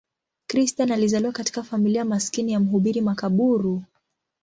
Christian alizaliwa katika familia maskini ya mhubiri makaburu.